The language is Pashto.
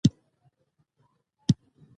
سهار وختي ښار لږ شور لري